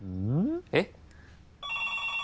えっ？